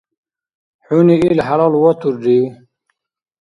- ХӀуни ил хӀялалватуррив?